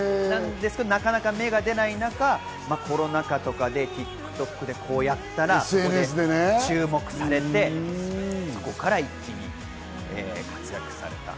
なかなか芽が出ない中、コロナ禍とかで、ＴｉｋＴｏｋでやったら注目されてそこから一気に活躍された。